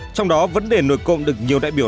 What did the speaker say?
trong đó vấn đề nổi cộng được nhiều đại biểu